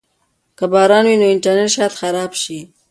که باران وي نو انټرنیټ شاید خراب شي.